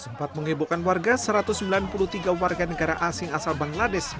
sempat menghebohkan warga satu ratus sembilan puluh tiga warga negara asing asal bangladesh